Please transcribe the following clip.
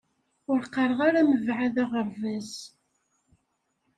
Ur qqaṛeɣ ara mbaɛd aɣerbaz.